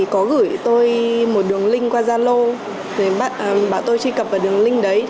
có gửi tôi một đường link qua zalo mà tôi truy cập vào đường link đấy